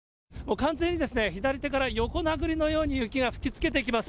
完全に左手から横殴りのように雪が吹きつけてきます。